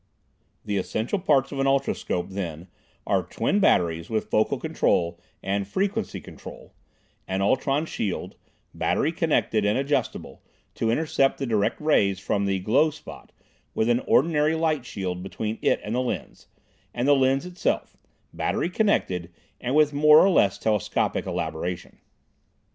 The essential parts of an ultroscope, then, are twin batteries with focal control and frequency control; an ultron shield, battery connected and adjustable, to intercept the direct rays from the "glow spot," with an ordinary light shield between it and the lens; and the lens itself, battery connected and with more or less telescopic elaboration.